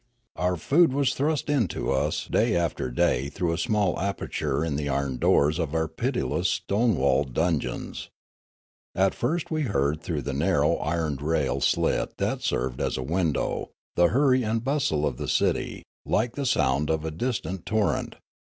Our food was thrust in to us day after day through a small aperture in the iron doors of our pitiless stone walled dungeons. At first we heard through the nar row iron railed slit that served as a window the hurry and bustle of the city, like the sound of a distant tor rent.